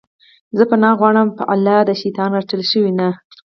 زه پناه غواړم په الله د شيطان رټلي شوي نه